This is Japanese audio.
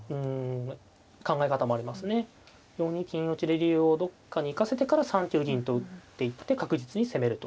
４二金打ちで竜をどっかに行かせてから３九銀と打っていって確実に攻めると。